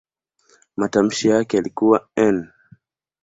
Matamshi yake yalikuwa "n".